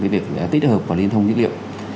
việc tích hợp và liên thông dữ liệu